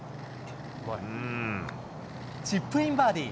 チップインバーディー。